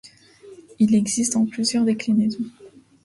Il existe en plusieurs déclinaisons.